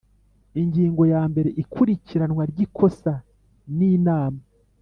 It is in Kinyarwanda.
Ingingo ya mbere Ikurikiranwa ry ikosa n Inama